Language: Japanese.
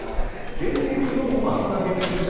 現役の漫画編集者